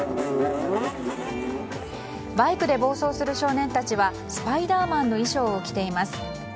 バイクで暴走する少年たちはスパイダーマンの衣装を着ています。